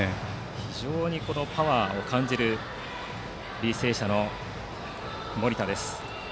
非常にパワーを感じる履正社の森田です。